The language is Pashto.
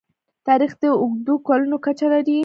تاریخ د اوږدو کلونو کچه لري.